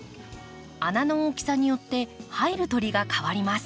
穴の大きさによって入る鳥が変わります。